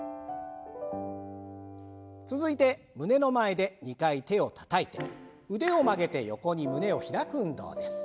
続いて胸の前で２回手をたたいて腕を曲げて横に胸を開く運動です。